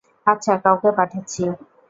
আচ্ছা, কাউকে পাঠাচ্ছি।